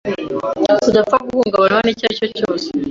udapfa guhungabanywa n’icyo ari cyo cyose